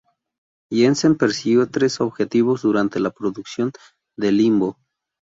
Jensen persiguió tres objetivos durante la producción de "Limbo".